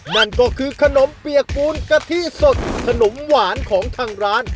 นั่นก็คือขนมเปียกปูนกะทิสดขนมหวานของทางร้าน